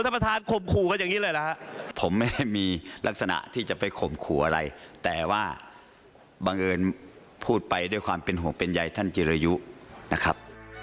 ผมไม่ได้มีลักษณะที่จะไปข่มขู่อะไรแต่ว่าบังเอิญพูดไปด้วยความเป็นห่วงเป็นใยท่านเจรยุนะครับ